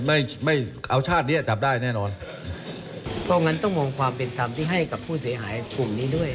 ไม่ไม่เอาชาติเนี้ยจับได้แน่นอนเพราะงั้นต้องมองความเป็นธรรมที่ให้กับผู้เสียหายกลุ่มนี้ด้วย